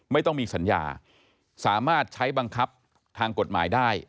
ไม่ต้องมีสัญญาสามารถใช้บังคับทางกฎหมายได้